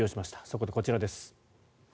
そこでこちらです。